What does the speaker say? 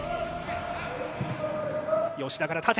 吉田から縦。